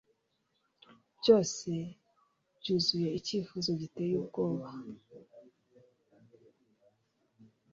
Byose byuzuye icyifuzo giteye ubwoba